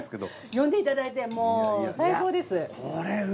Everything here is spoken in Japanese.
呼んでいただいてもう最高です。